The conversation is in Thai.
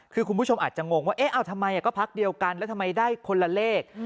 คือคุณผู้ชมอาจจะงงว่าเอ๊ะทำไมก็พักเดียวกันแล้วทำไมได้คนละเลข